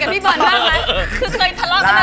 ใครเป็นใคร